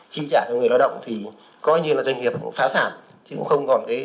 thì cái đấy thực tế là rất là khó khăn